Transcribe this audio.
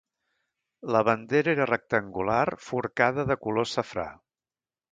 La bandera era rectangular forcada de color safrà.